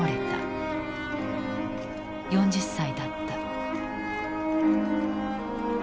４０歳だった。